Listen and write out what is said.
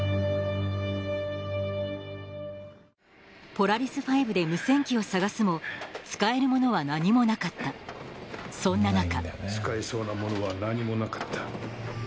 ポラリス５で無線機を探すも使えるものは何もなかったそんな中使えそうなものは何もなかった。